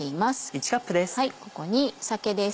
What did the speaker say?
１カップです。